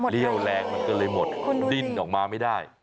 เหลี้ยวแรงมันก็เลยหมดคุณดูดิดินออกมาไม่ได้